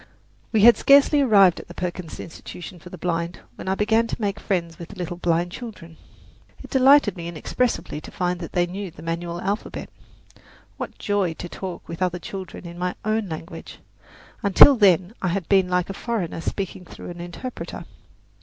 We had scarcely arrived at the Perkins Institution for the Blind when I began to make friends with the little blind children. It delighted me inexpressibly to find that they knew the manual alphabet. What joy to talk with other children in my own language! Until then I had been like a foreigner speaking through an interpreter.